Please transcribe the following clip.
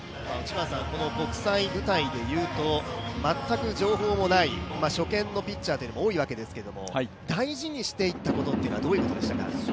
国際舞台でいうと全く情報もない初見のピッチャーが多いわけですけれども、大事にしていったことはどういうことでした？